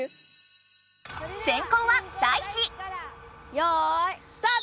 よいスタート！